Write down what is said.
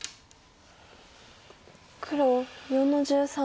黒４の十三。